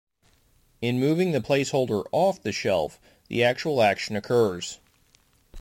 In moving the placeholder "off" the shelf, the actual action occurs.